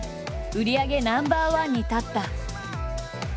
売り上げナンバーワンに立った。